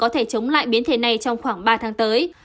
có thể chống lại biến thể này trong khoảng ba tháng tới